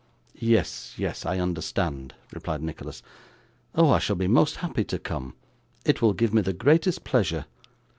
'Yes, yes, I understand,' replied Nicholas. 'Oh, I shall be most happy to come; it will give me the greatest pleasure.